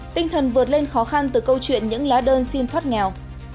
tinh thần vượt lên khó khăn từ câu chuyện những lá đơn xin thoát nghèo